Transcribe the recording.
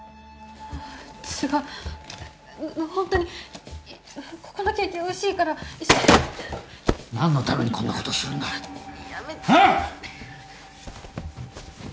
違うホントにここのケーキおいしいから一緒何のためにこんなことするんだやめてああ！？